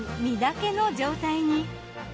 身だけの状態に。